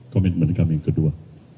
komitmen kami yang kedua